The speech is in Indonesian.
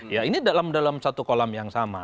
ya ini dalam satu kolam yang sama